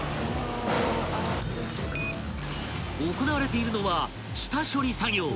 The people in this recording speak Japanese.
［行われているのは下処理作業］